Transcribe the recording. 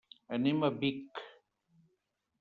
Anem a Vic.